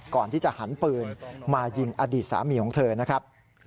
ก่อนที่จะหันปืนมายิงอดีตสามีของเธอนะครับ